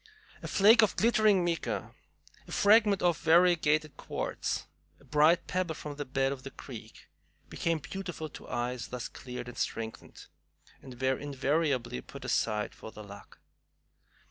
A flake of glittering mica, a fragment of variegated quartz, a bright pebble from the bed of the creek, became beautiful to eyes thus cleared and strengthened, and were invariably pat aside for The Luck.